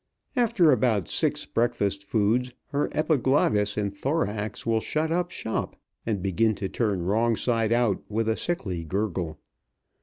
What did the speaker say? After about six breakfast foods, her epiglottis and thorax will shut up shop and begin to turn wrong side out with a sickly gurgle.